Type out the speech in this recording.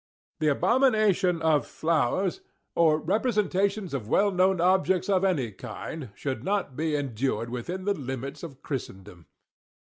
The abomination of flowers, or representations of well known objects of any kind, should not be endured within the limits of Christendom.